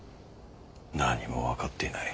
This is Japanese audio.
何も分かっていない。